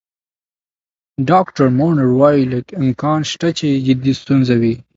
ډاکټر مونرو وايي، لږ امکان شته چې جدي ستونزه وي.